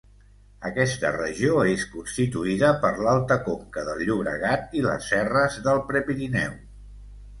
Aquesta regió és constituïda per l'alta conca del Llobregat i les serres del Prepirineu.